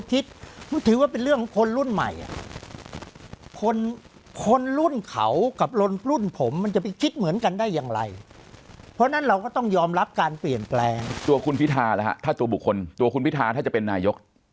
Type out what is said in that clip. จะรับการเปลี่ยนแปลงชั่วคุณพิทาแล้วฮะถ้าตัวบกคนตัวคุณพิทาถ้าจะเป็นนายก